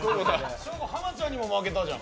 ショーゴ、濱ちゃんにも負けたじゃん。